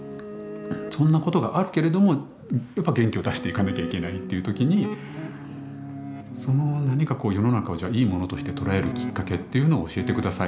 そんなことがあるけれどもやっぱ元気を出していかなきゃいけないっていう時にその何かこう世の中をじゃあいいものとして捉えるきっかけっていうのを教えて下さい。